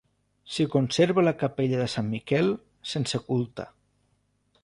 S'hi conserva la capella de Sant Miquel, sense culte.